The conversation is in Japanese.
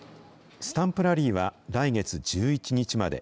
スタンプラリーは来月１１日まで。